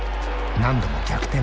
何度も逆転